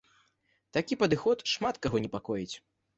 Такі падыход шмат каго непакоіць.